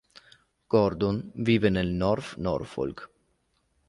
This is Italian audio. Gordon vive nel North Norfolk.